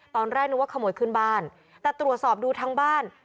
ตอนแรกนึกว่าขโมยขึ้นบ้านแต่ตรวจสอบดูทั้งบ้าน